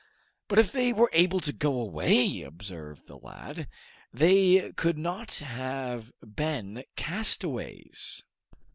"But if they were able to go away," observed the lad, "they could not have been castaways."